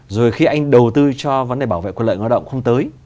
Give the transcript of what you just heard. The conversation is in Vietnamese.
rồi khi anh đầu tư cho vấn đề bảo vệ quyền lợi người lao động không tới